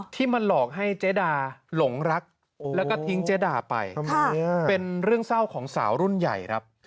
ที่มาหลอกให้เจ๊ดาหลงรักแล้วก็ทิ้งเจ๊ดาไปเป็นเรื่องเศร้าของสาวรุ่นใหญ่ครับ